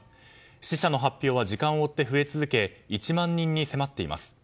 死者の発表は時間を追って増え続け１万人に迫っています。